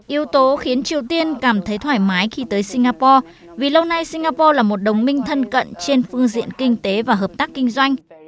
yếu tố khiến triều tiên cảm thấy thoải mái khi tới singapore vì lâu nay singapore là một đồng minh thân cận trên phương diện kinh tế và hợp tác kinh doanh